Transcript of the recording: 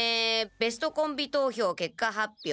「ベストコンビ投票けっか発表。